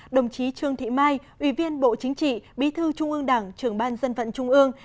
đồng chí trương thị mai ủy viên bộ chính trị bí thư trung ương đảng trưởng ban dân vận trung ương